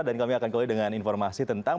kami akan kembali dengan informasi tentang